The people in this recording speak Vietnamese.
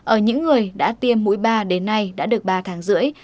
ở những người đã tiêm mũi ba đến nay đã được ba tháng rưỡi